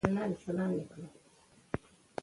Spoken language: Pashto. د طبیعت سره تمثیل یو ښکلی هنري انداز دی.